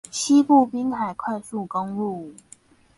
西部濱海快速公路